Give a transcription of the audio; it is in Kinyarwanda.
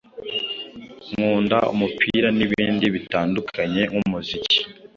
nkunda umupira n’ibindi bitandukanye nk’umuziki